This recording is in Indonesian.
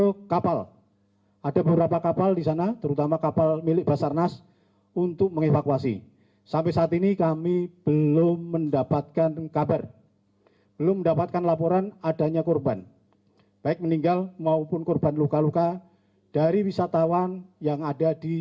tinggal hai ada beberapa kapal disana terutama kapal milik basarnas untuk mengevakuasi sampai saat ini kami belum mendapatkan kabar lalu mendapatkan laporan adanya korban baik meninggal maupun korban luka luka dari wisatawan yang ada di tiga